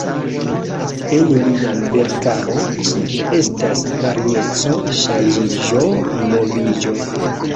En lia verkaro ĉie estas varieco, ŝanĝiĝo, moviĝo.